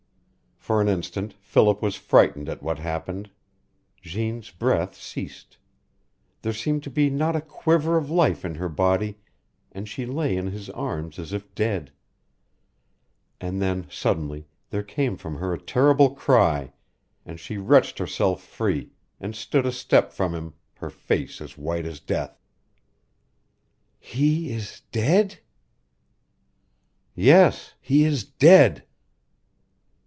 For an instant Philip was frightened at what happened. Jeanne's breath ceased. There seemed to be not a quiver of life in her body, and she lay in his arms as if dead. And then, suddenly, there came from her a terrible cry, and she wrenched herself free, and stood a step from him, her face as white as death. "He is dead " "Yes, he is dead."